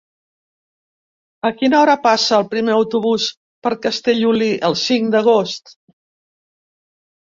A quina hora passa el primer autobús per Castellolí el cinc d'agost?